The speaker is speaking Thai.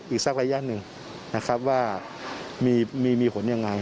อีกสักระยะหนึ่งนะครับว่ามีผลยังไง